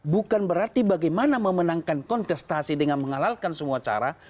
bukan berarti bagaimana memenangkan kontestasi dengan menghalalkan semua cara